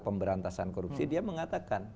pemberantasan korupsi dia mengatakan